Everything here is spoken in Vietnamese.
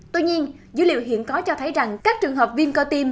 tuy nhiên dữ liệu hiện có cho thấy rằng các trường hợp viêm cơ tim